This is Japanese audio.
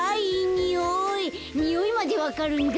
においまでわかるんだ。